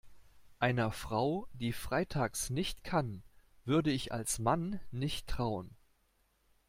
Einer Frau, die Freitags nicht kann, würde ich als Mann nicht trauen.